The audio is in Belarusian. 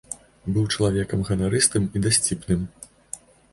Быў чалавекам ганарыстым і дасціпным.